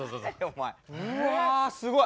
うわすごい！